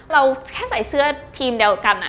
เราแค่ใส่เสื้อทีมเดียวกัน